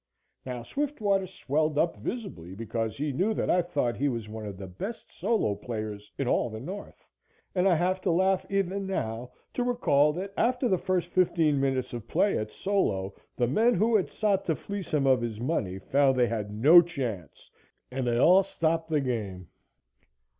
Now, Swiftwater swelled up visibly because he knew that I thought he was one of the best solo players in all the North, and I have to laugh even now to recall that after the first fifteen minutes of play at solo the men who had sought to fleece him of his money, found they had no chance and they all stopped the game.